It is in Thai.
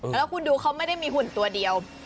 แล้วคุณดูเขาไม่ได้มีหุ่นตัวเดียว